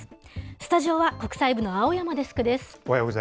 スタジオは国際部の青山デスクです。